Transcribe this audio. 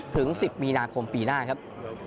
ถึง๑๐มีนาคมปีหน้าครับ